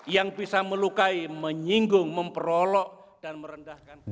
yang bisa melukai menyinggung memperolok dan merendahkan